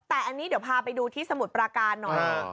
แต่อันนี้เดี๋ยวพาไปดูที่สมุทรปราการหน่อย